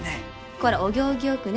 こらお行儀よくね。